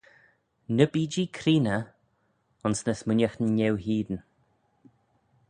Ny bee-jee creeney ayns ny smooinaghtyn eu hene.